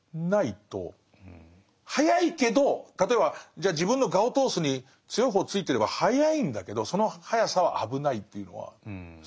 速いけど例えばじゃあ自分の我を通すのに強い方ついてれば速いんだけどその速さは危ないっていうのはすごく思うかしら。